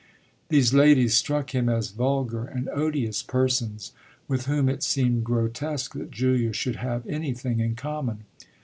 These ladies struck him as vulgar and odious persons, with whom it seemed grotesque that Julia should have anything in common.